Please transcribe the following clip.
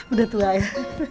udah tua ya